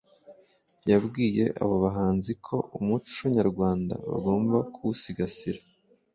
yabwiye abo bahanzi ko umuco Nyarwanda bagomba kuwusigasira